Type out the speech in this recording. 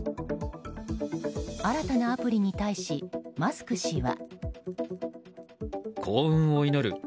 新たなアプリに対しマスク氏は。